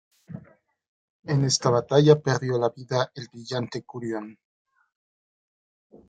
En esta batalla perdió la vida el brillante Curión.